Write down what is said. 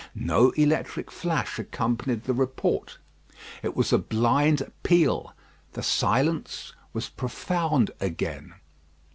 No electric flash accompanied the report. It was a blind peal. The silence was profound again.